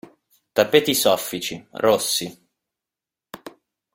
Tappeti soffici, rossi.